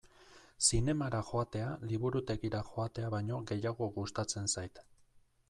Zinemara joatea liburutegira joatea baino gehiago gustatzen zait.